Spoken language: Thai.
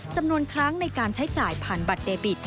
จำนวนครั้งในการใช้จ่ายผ่านบัตรเดบิต